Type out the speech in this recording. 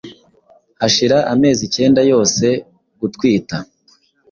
Hashira amezi icyenda yose yo gutwita.